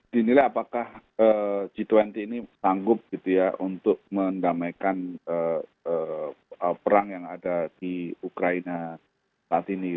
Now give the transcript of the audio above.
dan dinilai apakah g dua puluh ini sanggup gitu ya untuk mendamaikan perang yang ada di ukraina saat ini